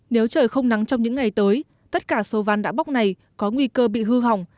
nếu trời không nắng trong những ngày tới tất cả số van đã bốc này có nguy cơ bị hư hỏng